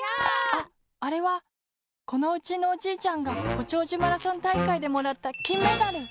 ああれはこのうちのおじいちゃんがごちょうじゅマラソンたいかいでもらったきんメダル！